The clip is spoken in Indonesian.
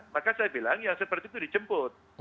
maka saya bilang yang seperti itu dijemput